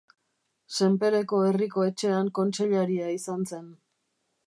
Senpereko Herriko Etxean kontseilaria izan zen.